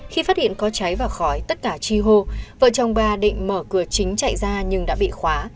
khi phát hiện có cháy và khói tất cả chi hô vợ chồng bà định mở cửa chính chạy ra nhưng đã bị khóa